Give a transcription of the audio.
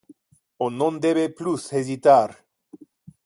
On non debe plus hesitar!